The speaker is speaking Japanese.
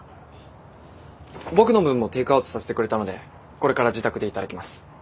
僕の分もテイクアウトさせてくれたのでこれから自宅で頂きます。